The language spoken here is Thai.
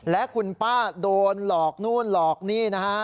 และคุณป้าโดนหลอกนู่นหลอกนี่นะฮะ